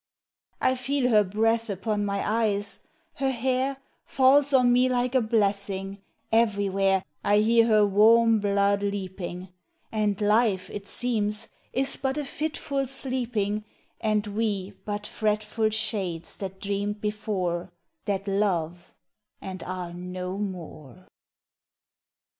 I feel her breath upon my eyes, her hair Falls on me like a blessing, everywhere I hear her warm blood leaping, And life it seems is but a fitful sleeping, And we but fretful shades that dreamed before That love, and are no more.